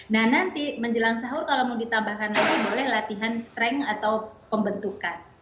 nah nanti menjelang sahur kalau mau ditambahkan lagi boleh latihan strength atau pembentukan